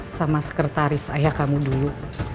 sama sekretaris ayah kamu dulu